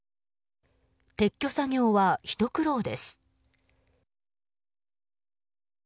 撤去作業はひと苦労です。